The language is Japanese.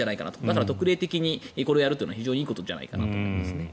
だから特例的にこれをやるのは非常にいいことじゃないかと思います。